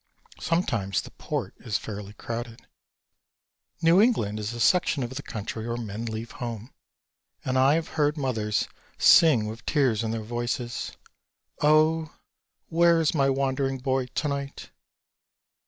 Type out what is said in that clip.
Sometimes the Port is fairly crowded. New England is a section of the country where men leave home, and I have heard mothers sing with tears in their voices: "Oh, where is my wandering boy tonight?"